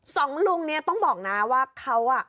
สองลุงเนี่ยต้องบอกนะว่าเขาอ่ะ